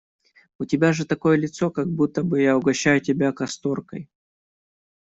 У тебя же такое лицо, как будто бы я угощаю тебя касторкой.